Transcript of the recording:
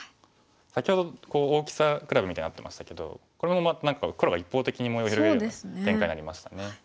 先ほど大きさ比べみたいになってましたけどこれ何か黒が一方的に模様を広げるような展開になりましたね。